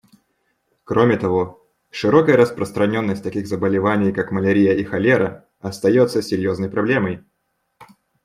Кроме того, широкая распространенность таких заболеваний, как малярия и холера, остается серьезной проблемой.